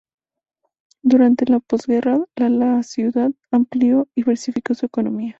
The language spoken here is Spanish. Durante la posguerra la la ciudad amplió y diversificó su economía.